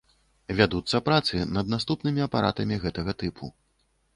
Вядуцца працы над наступнымі апаратамі гэтага тыпу.